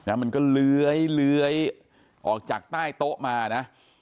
มันก็เลื้อยออกจากใต้โต๊ะมานะ